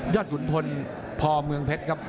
ยอดขุนทนพเมืองเพชรครับ